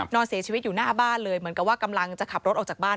นอนเสียชีวิตอยู่หน้าบ้านเลยเหมือนกับว่ากำลังจะขับรถออกจากบ้าน